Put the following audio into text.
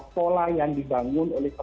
pola yang dibangun oleh